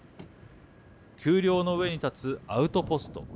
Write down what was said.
丘陵の上に建つアウトポスト。